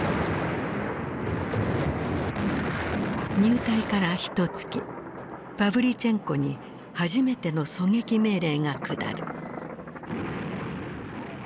入隊からひとつきパヴリチェンコに初めての狙撃命令が下る。